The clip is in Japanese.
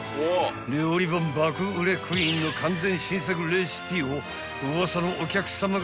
［料理本爆売れクイーンの完全新作レシピを『ウワサのお客さま』が独占初公開］